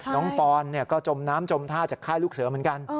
ปอนก็จมน้ำจมท่าจากค่ายลูกเสือเหมือนกัน